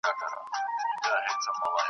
د تاریخي حافظې د خوندي کولو لپار